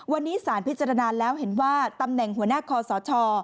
วันนี้สารพิจารณาแล้วเห็นว่าตำแหน่งหัวหน้าคอสช